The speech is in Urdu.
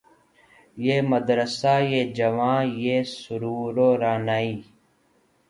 یہ مدرسہ یہ جواں یہ سرور و رعنائی